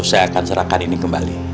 saya akan serahkan ini kembali